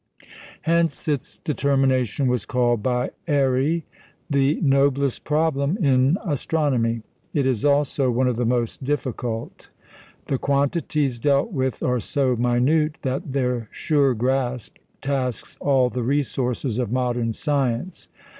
Hence its determination was called by Airy "the noblest problem in astronomy." It is also one of the most difficult. The quantities dealt with are so minute that their sure grasp tasks all the resources of modern science.